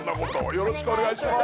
よろしくお願いします。